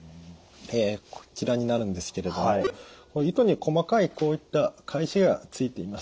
こちらになるんですけれども糸に細かいこういった返しがついています。